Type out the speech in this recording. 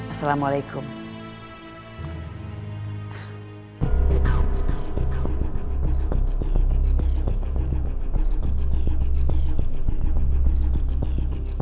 aku mau main ke rumah intan